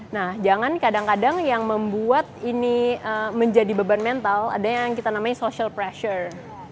nah jangan kadang kadang yang membuat ini menjadi beban mental ada yang kita namanya social pressure